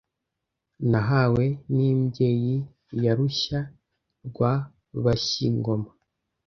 Nahawe n’imbyeyi Ya Rushya rwa Bashy-ingoma